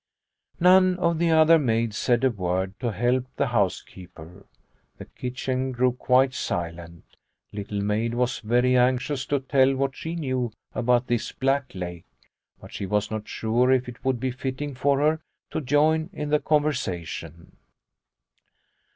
None of the other maids said a word to help the housekeeper. The kitchen grew quite silent. Little Maid was very anxious to tell what she knew about this Black Lake, but she was not sure if it would be fitting for her to join in the con versation.